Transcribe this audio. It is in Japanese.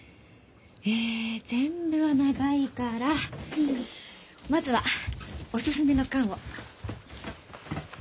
え全部は長いからまずはおすすめの巻を。